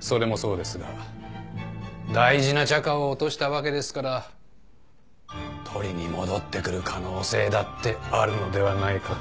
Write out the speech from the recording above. それもそうですが大事なチャカを落としたわけですから取りに戻ってくる可能性だってあるのではないかと。